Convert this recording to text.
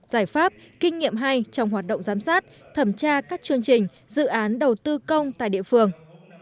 giải pháp kinh nghiệm hay trong hoạt động giám sát thẩm tra các chương trình dự án đầu tư công tại địa phương